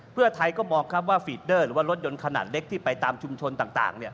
เพื่อไทยก็มองครับว่าฟีดเดอร์หรือว่ารถยนต์ขนาดเล็กที่ไปตามชุมชนต่าง